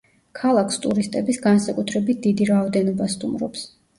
ქალაქს ტურისტების განსაკუთრებით დიდი რაოდენობა სტუმრობს.